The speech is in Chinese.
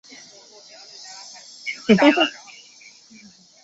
月台配置